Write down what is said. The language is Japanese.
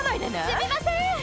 すみません！